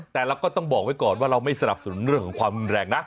แต่เราก็ต้องบอกไว้ก่อนว่าเราไม่สนับสนุนเรื่องของความรุนแรงนะ